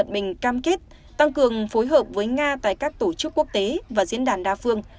tập cận bình cam kết tăng cường phối hợp với nga tại các tổ chức quốc tế và diễn đàn đa phương